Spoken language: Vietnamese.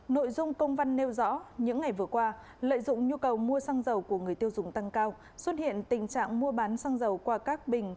nội dung công văn nêu rõ những ngày vừa qua lợi dụng nhu cầu mua xăng dầu của người tiêu dùng tăng cao xuất hiện tình trạng mua bán xăng dầu qua các bình